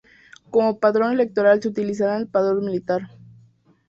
Como padrón electoral se utilizaría el padrón militar.